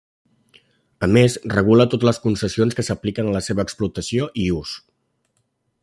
A més, regula totes les concessions que s'apliquen a la seva explotació i ús.